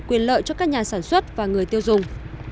quyền lợi cho các nhà sản xuất và người tiêu dùng